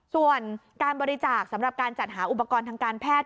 ส่วนการบริจาคสำหรับการจัดหาอุปกรณ์ทางการแพทย์